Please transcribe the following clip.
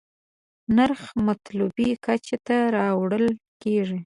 نرخ مطلوبې کچې ته راوړل کېږي.